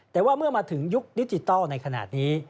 แต่ว่าเมื่อมาถึงยุคดิจิทัลในขณะนี้